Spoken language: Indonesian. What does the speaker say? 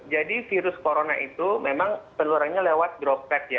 jadi virus corona itu memang peluruhnya lewat drop pack ya